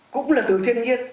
cũng là từ thiên nhiên